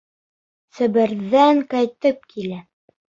Себерҙән ҡайтып килә.